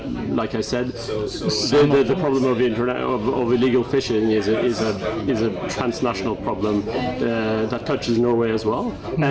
tapi seperti yang saya katakan masalah penjualan ikan ilegal adalah masalah transnasional yang menyentuh norwegia juga